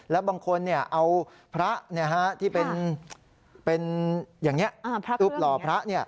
แล้วบางคนเอาพระที่เป็นอย่างนี้รูปหล่อพระ